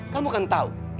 kamu kan tahu